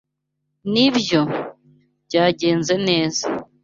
Nibyo, byagenze neza.